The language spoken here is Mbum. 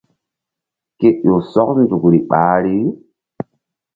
Ke ƴo sɔk nzukri ɓahri.